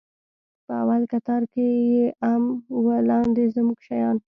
په اول کتار کښې يې ام و لاندې زموږ شيان.